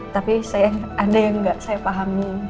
tapi ada yang nggak saya pahami